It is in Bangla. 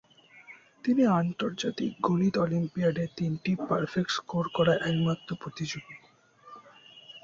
তিনি আন্তর্জাতিক গণিত অলিম্পিয়াড এ তিনটি পারফেক্ট স্কোর করা একমাত্র প্রতিযোগী।